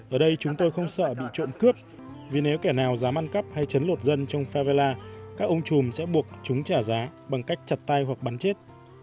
ở đây chúng tôi không sợ bị trộm cướp vì nếu kẻ nào dám ăn cắp hay chấn lột dân trong fevela các ông chùm sẽ buộc chúng trả giá bằng cách chặt tay hoặc bắn chết